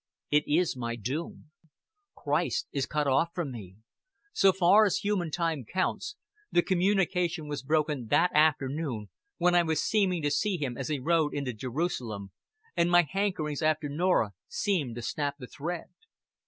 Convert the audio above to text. It is my doom. Christ is cut off from me. So far as human time counts, the communication was broken that afternoon when I was seeming to see him as he rode into Jerusalem and my hankerings after Norah seemed to snap the thread.